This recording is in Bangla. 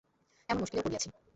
এমন মুশকিলেও পড়িয়াছি!